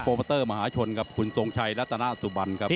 ยกที่สองครับได้เห็นแล้วนะครับ